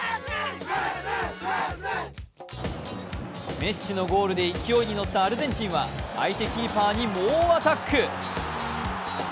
メッシのゴールで勢いに乗ったアルゼンチンは相手キーパーに猛アタック。